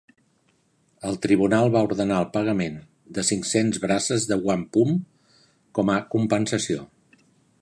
El Tribunal va ordenar el pagament de "cinc-cents braces de wampum" com a compensació.